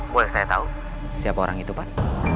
boleh saya tahu siapa orang itu pak